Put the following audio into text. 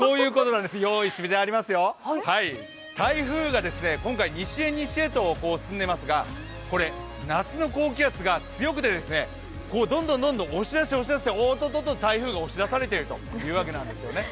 台風が今回、西へ西へと進んでいますが、これ、夏の高気圧が強くて、どんどん押し出して押し出して、おっとっと、台風が押し出されているということなんですよね。